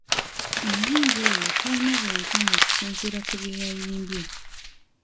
Omuyimbi oyo talina bwenkanya okusinziira ku bye yayimbye.